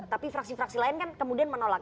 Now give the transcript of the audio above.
tapi fraksi fraksi lain kan kemudian menolak